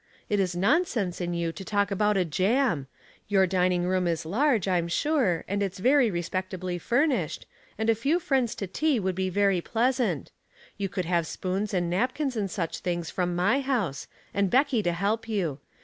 It is nonsense in you to talk about a jam. Your dining room is large, I'm sure, and its very re spectably furnished, and a few friends to tea would be very pleasant. You could have spoona and napkins and such things from my house, and Becky to help you.